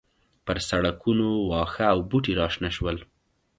پر سړکونو واښه او بوټي راشنه شول